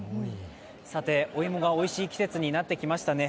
さて、お芋がおいしい季節になってきましたね。